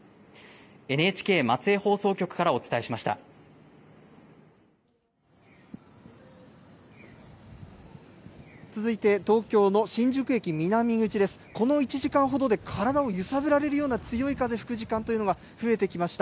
ＮＨＫ松江放送局からお伝えしました。